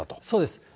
そうです。